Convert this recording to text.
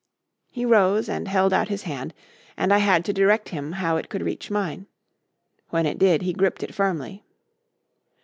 He rose and held out his hand and I had to direct him how it could reach mine. When it did, he gripped it firmly.